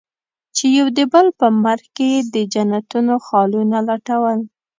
چې يو د بل په مرګ کې يې د جنتونو خالونه لټول.